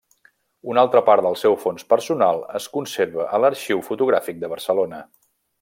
Una altra part del seu fons personal es conserva a l'Arxiu Fotogràfic de Barcelona.